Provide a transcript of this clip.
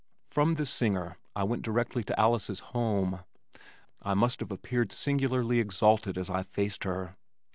From this singer, I went directly to Alice's home. I must have appeared singularly exalted as I faced her.